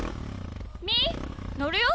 みーのるよ。